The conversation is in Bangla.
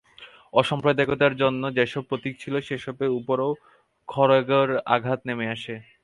অসাম্প্রদায়িকতার অন্য যেসব প্রতীক ছিল, সেসবের ওপরও খড়্গের আঘাত নেমে আসে।